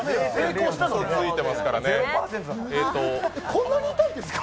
こんなに痛いんですか？